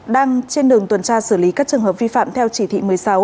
đang trên đường tuần tra xử lý các trường hợp vi phạm theo chỉ thị một mươi sáu